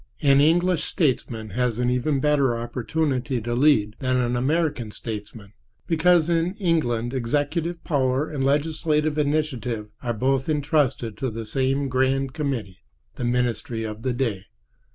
An English statesman has an even better opportunity to lead than an American statesman, because in England executive power and legislative initiative are both intrusted to the same grand committee, the ministry of the day.